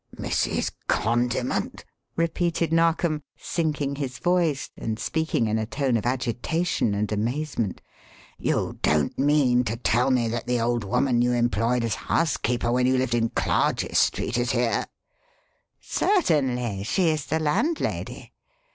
"Mrs. Condiment?" repeated Narkom, sinking his voice, and speaking in a tone of agitation and amazement. "You don't mean to tell me that the old woman you employed as housekeeper when you lived in Clarges Street is here?" "Certainly; she is the landlady.